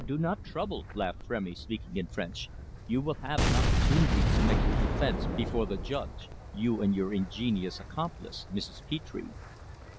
"Oh, do not trouble," laughed Frémy, speaking in French. "You will have an opportunity to make your defence before the judge you and your ingenious accomplice, Mrs. Petre."